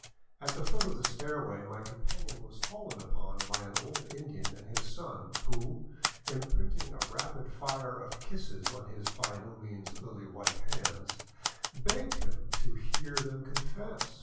At the foot of the stairway my companion was fallen upon by an old Indian and his son who, imprinting a rapid fire of kisses on his by no means lily white hands, begged him to hear them confess.